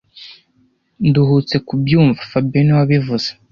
Nduhutse kubyumva fabien niwe wabivuze